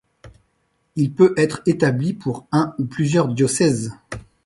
Il peut être établi pour un ou plusieurs diocèses.